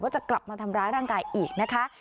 จะกลับมาทำร้ายร่างกายอีกนะคะ